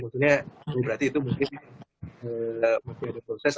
maksudnya berarti itu mungkin masih ada proses